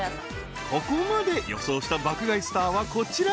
［ここまで予想した爆買いスターはこちら。